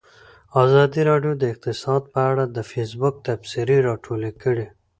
ازادي راډیو د اقتصاد په اړه د فیسبوک تبصرې راټولې کړي.